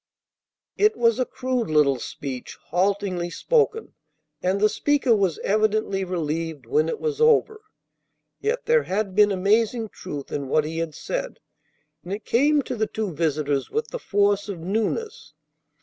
It was a crude little speech, haltingly spoken, and the speaker was evidently relieved when it was over. Yet there had been amazing truth in what he had said, and it came to the two visitors with the force of newness.